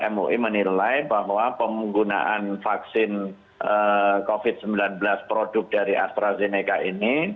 mui menilai bahwa penggunaan vaksin covid sembilan belas produk dari astrazeneca ini